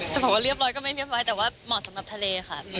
จะบอกว่าเรียบร้อยก็ไม่เรียบร้อยแต่ว่าเหมาะสำหรับทะเลค่ะ